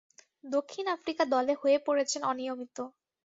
দক্ষিণ আফ্রিকা দলে হয়ে পড়েছেন অনিয়মিত।